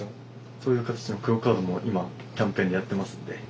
そういう形のクオカードも今キャンペーンでやってますんで。